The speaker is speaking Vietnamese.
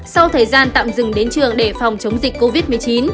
sau thời gian tạm dừng đến trường để phòng chống dịch covid một mươi chín